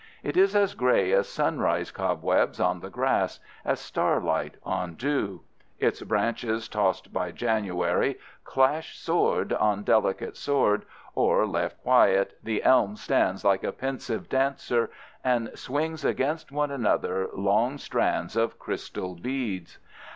It is as gray as sunrise cobwebs on the grass, as starlight on dew. Its branches, tossed by January, clash sword on delicate sword, or, left quiet, the elm stands like a pensive dancer and swings against one another long strands of crystal beads.